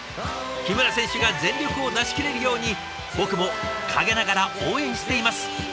木村選手が全力を出しきれるように僕も陰ながら応援しています！